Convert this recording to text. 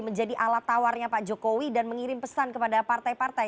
menjadi alat tawarnya pak jokowi dan mengirim pesan kepada partai partai